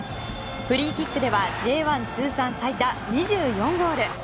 フリーキックではＪ１通算最多２４ゴール。